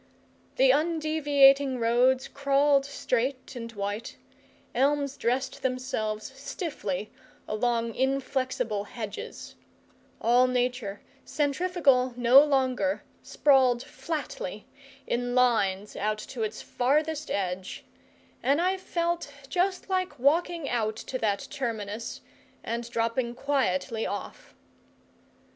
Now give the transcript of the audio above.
The undeviating roads crawled straight and white, elms dressed themselves stiffly along inflexible hedges, all nature, centrifugal no longer, sprawled flatly in lines out to its farthest edge, and I felt just like walking out to that terminus, and dropping quietly off.